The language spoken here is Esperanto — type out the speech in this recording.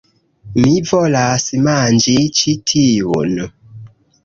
Mi volas manĝi ĉi tiun